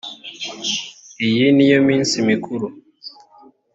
iyi ni yo minsi mikuru .